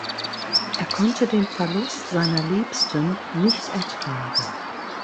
Er konnte den Verlust seiner Liebsten nicht ertragen.